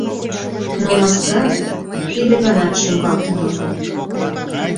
Но маска тиде ганат шуҥгалтын огыл.